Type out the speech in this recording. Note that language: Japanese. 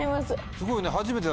すごいね。